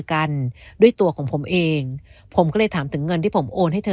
กันด้วยตัวของผมเองผมก็เลยถามถึงเงินที่ผมโอนให้เธอ